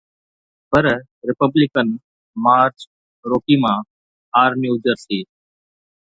per Republican Marge Roukema, R New Jersey